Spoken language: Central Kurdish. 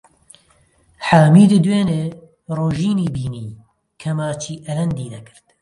حامید دوێنێ ڕۆژینی بینی کە ماچی ئەلەندی دەکرد.